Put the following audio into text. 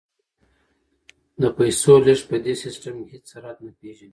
د پیسو لیږد په دې سیستم کې هیڅ سرحد نه پیژني.